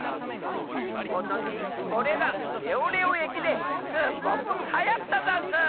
ことしこれがレオレオえきですっごくはやったざんす。